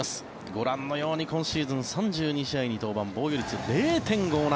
ご覧のように今シーズン３２試合に登板防御率０．５７。